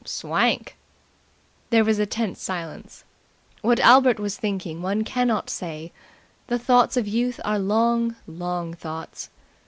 "Swank!" There was a tense silence. What Albert was thinking one cannot say. The thoughts of Youth are long, long thoughts.